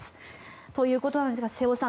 ということなんですが瀬尾さん